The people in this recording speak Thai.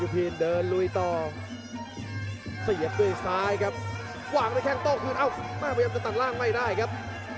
พยายามจะตัดล่างไม่ได้ครับ